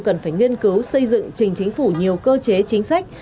cần phải nghiên cứu xây dựng trình chính phủ nhiều cơ chế chính sách